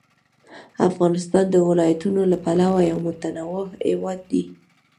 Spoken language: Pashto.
افغانستان د ولایتونو له پلوه یو متنوع هېواد دی.